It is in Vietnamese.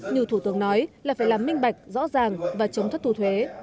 như thủ tướng nói là phải làm minh bạch rõ ràng và chống thất thu thuế